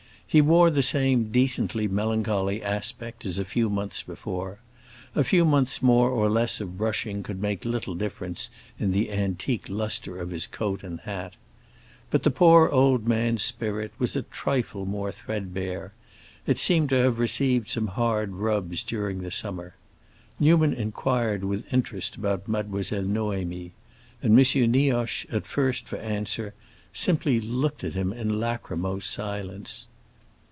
He wore the same decently melancholy aspect as a few months before; a few months more or less of brushing could make little difference in the antique lustre of his coat and hat. But the poor old man's spirit was a trifle more threadbare; it seemed to have received some hard rubs during the summer. Newman inquired with interest about Mademoiselle Noémie; and M. Nioche, at first, for answer, simply looked at him in lachrymose silence.